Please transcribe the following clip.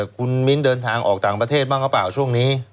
คุณมิ้นเดินทางออกต่างประเทศบ้างหรือเปล่าช่วงนี้